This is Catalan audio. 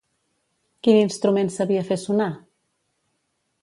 Quin instrument sabia fer sonar?